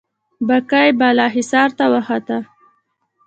بګۍ بالا حصار ته وخته.